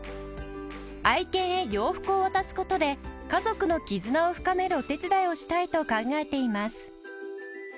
愛犬へ洋服を渡すことで家族の絆を深めるお手伝いをしたいと考えています